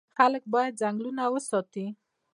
خلک باید ځنګلونه وساتي.